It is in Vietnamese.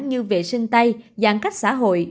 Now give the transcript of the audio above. như vệ sinh tay giãn cách xã hội